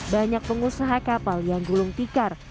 banyak pengusaha kapal yang gulung tikar